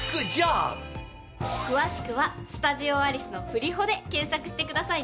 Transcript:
詳しくはスタジオアリスの「ふりホ」で検索してくださいね。